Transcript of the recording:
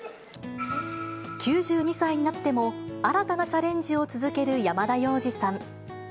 ９２歳になっても新たなチャレンジを続ける山田洋次さん。